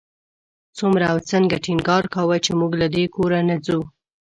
څومره او څنګه ټینګار کاوه چې موږ له دې کوره نه ځو.